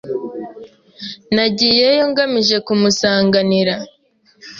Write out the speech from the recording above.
Nagiyeyo ngamije kumusanganira.